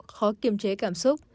khó kiềm chế cảm xúc